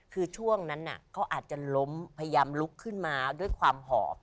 คือช่วงนั้นเขาอาจจะล้มพยายามลุกขึ้นมาด้วยความหอบ